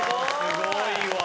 すごいわ。